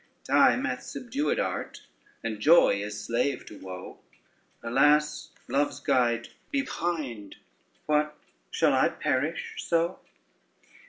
Time hath subdued art, and joy is slave to woe: Alas, Love's guide, be kind! what, shall I perish so?